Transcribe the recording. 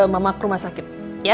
mama ke rumah sakit